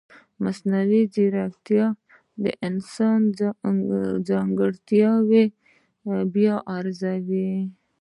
مصنوعي ځیرکتیا د انسان ځانګړتیاوې بیا ارزوي.